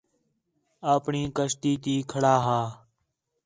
اپݨی کشتی تی کھڑا ہا